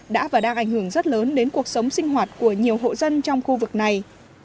đã và đang ảnh hưởng rất lớn đến cuộc sống sinh hoạt của nhiều hộ dân trong khu vực này